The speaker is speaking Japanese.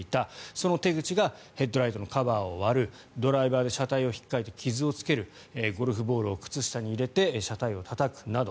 その手口がヘッドライトのカバーを割るドライバーで車体をひっかいて傷をつけるゴルフボールを靴下に入れて車体をたたくなど。